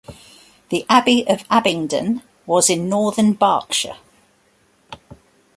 The Abbey of Abingdon was in northern Berkshire.